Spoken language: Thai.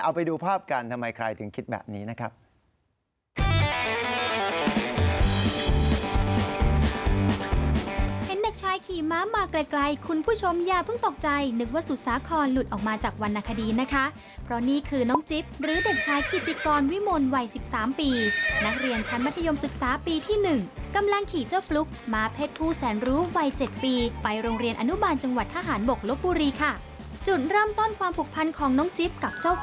เอาไปดูภาพกันทำไมใครถึงคิดแบบนี้นะครับ